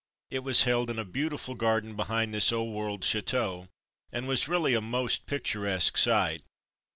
It was held in a beauti ful garden behind this old world chateau, and was really a most picturesque sight.